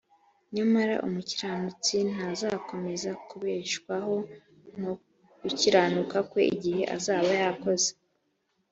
nyamara umukiranutsi ntazakomeza kubeshwaho no gukiranuka kwe igihe azaba yakoze